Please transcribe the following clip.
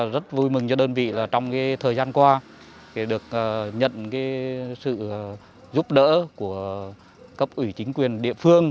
rất vui mừng cho đơn vị trong thời gian qua được nhận sự giúp đỡ của cấp ủy chính quyền địa phương